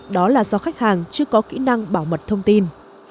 đó là do khách hàng chưa có kỹ năng bảo mật thông tin